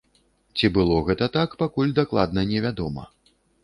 Ці было гэта так, пакуль дакладна невядома.